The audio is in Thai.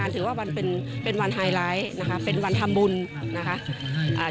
ถือว่าวันเป็นวันไฮไลท์นะคะเป็นวันทำบุญนะคะ